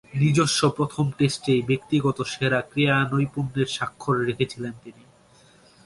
নিজস্ব প্রথম টেস্টেই ব্যক্তিগত সেরা ক্রীড়া নৈপুণ্যের স্বাক্ষর রেখেছিলেন তিনি।